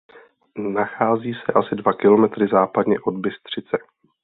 Nachází se asi dva kilometry západně od Bystřice.